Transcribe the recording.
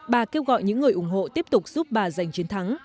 bà kêu gọi những người ủng hộ tiếp tục giúp bà giành chiến thắng